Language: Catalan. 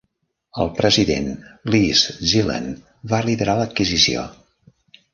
El president Les Zellan va liderar l'adquisició.